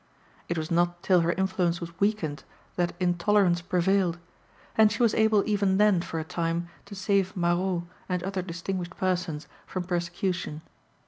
It was not till her influence was weakened that intolerance prevailed, and she was able even then for a time to save Marot and other distinguished persons from persecution.